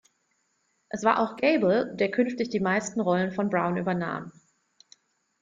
Es war auch Gable, der künftig die meisten Rollen von Brown übernahm.